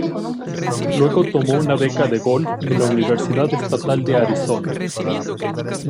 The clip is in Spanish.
Luego tomó una beca de golf en la Universidad Estatal de Arizona.